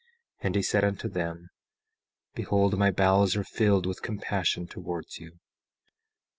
17:6 And he said unto them: Behold, my bowels are filled with compassion towards you.